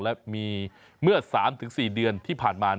และมีเมื่อ๓๔เดือนที่ผ่านมา